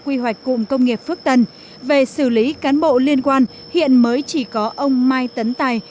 quy hoạch cụm công nghiệp phước tân về xử lý cán bộ liên quan hiện mới chỉ có ông mai tấn tài